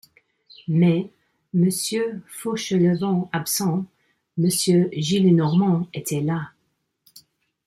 Mais, Monsieur Fauchelevent absent, Monsieur Gillenormand était là